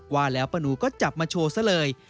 ว่าแล้วป้าหนูก็จับมาโชว์ซะเลย